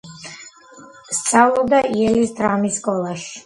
სწავლობდა იელის დრამის სკოლაში.